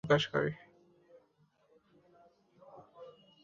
জাতিসংঘ প্রতি নতুন বছরের শুরুতে অর্থনীতির আরেকটি প্রাক্কলন প্রতিবেদন প্রকাশ করে।